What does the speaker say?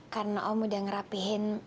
karena om udah ngerapihin